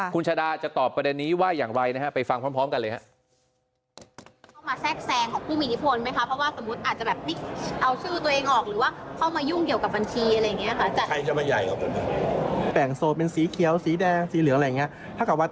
คุณชาดาจะตอบประเด็นนี้ว่าอย่างไรนะฮะไปฟังพร้อมกันเลยครับ